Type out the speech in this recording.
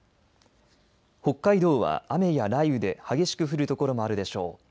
北海道は雨や雷雨で激しく降るところもあるでしょう。